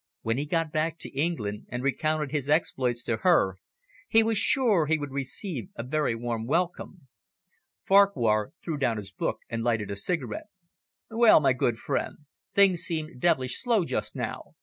When he got back to England and recounted his exploits to her, he was sure he would receive a very warm welcome. Farquhar threw down his book, and lighted a cigar. "Well, my good old friend, things seem devilish slow just now.